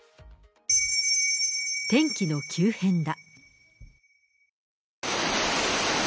天気の急変だ。